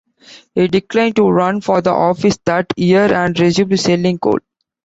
He declined to run for the office that year and resumed selling coal.